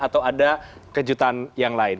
atau ada kejutan yang lain